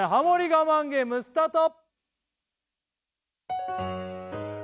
我慢ゲームスタート